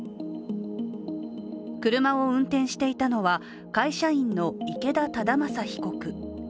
車を運転していたのは、会社員の池田忠正被告。